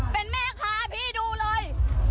เป็นไม่ราคาพี่ดูเลย